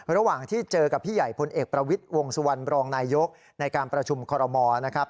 ระหว่างที่เจอกับพี่ใหญ่พลเอกประวิทย์วงสุวรรณบรองนายยกในการประชุมคอรมอนะครับ